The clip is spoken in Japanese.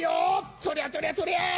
とりゃとりゃとりゃ。